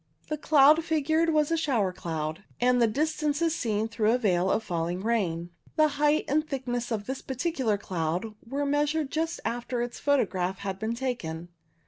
The cloud figured 96 CUMULUS was a shower cloud, and the distance is seen through the veil of falling rain. The height and thickness of this particular cloud were measured just after its photograph had been taken.